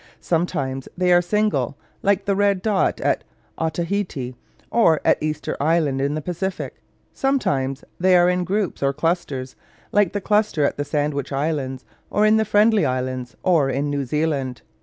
Sometimes they are single, like the red dot at Otaheite, or at Easter Island in the Pacific. Sometimes the are in groups, or clusters, like the cluster at the Sandwich Islands, or in the Friendly Islands, or in New Zealand.